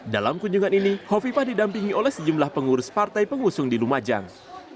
dalam kunjungan ini hovifah didampingi oleh sejumlah pengurus partai pengusung di lumajang